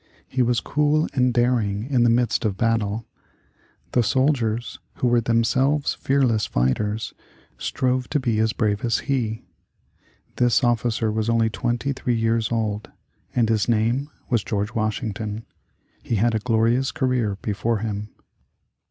He was cool and daring in the midst of battle. The soldiers, who were themselves fearless fighters, strove to be as brave as he. This officer was only twenty three years old, and his name was George Washington. He had a glorious career before him.